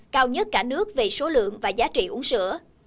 cao nhất cả nước về số lượng và giá trị uống sữa